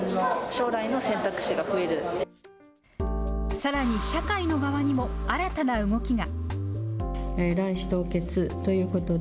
さらに社会の側にも新たな動きが。